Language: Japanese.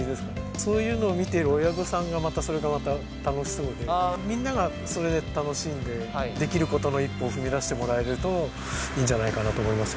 そういうのを見ている親御さんがまたそれがまた楽しそうで、みんながそれで楽しんで、できることの一歩を踏み出してもらえるといいんじゃないかなと思